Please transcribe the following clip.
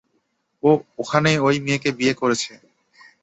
ও ওখানেই ঐ মেয়েকে বিয়ে করেছে।